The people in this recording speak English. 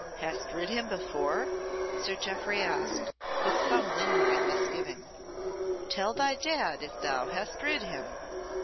"Hast rid him before?" Sir Jeoffry asked, with some lingering misgiving. "Tell thy Dad if thou hast rid him."